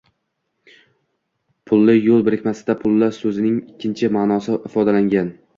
Pulli yoʻl birikmasida pulli soʻzining ikkinchi maʼnosi ifodalangan